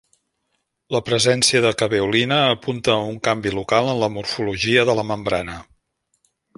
La presència de caveolina apunta a un canvi local en la morfologia de la membrana.